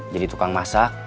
jadi tukang masak